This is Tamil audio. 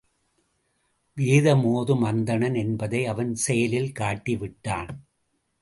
வேதம் ஒதும் அந்தணன் என்பதை அவன் செயலில் காட்டி விட்டான்.